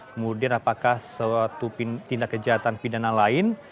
kemudian apakah suatu tindak kejahatan pidana lain